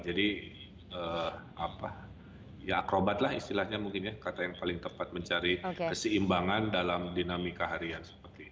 jadi ya akrobat lah istilahnya mungkin ya kata yang paling tepat mencari keseimbangan dalam dinamika harian seperti ini